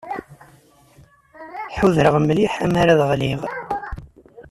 Ḥudreɣ mliḥ amar ad ɣliɣ.